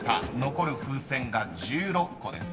［残る風船が１６個です］